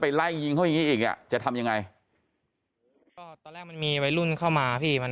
ไปไล่ยิงเขาอย่างนี้อีกอ่ะจะทำยังไงมีไว้รุ่นเข้ามาพี่มัน